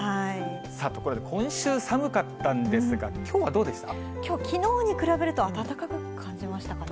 さあ、ところで今週、寒かったんきょう、きのうに比べると暖かく感じましたかね。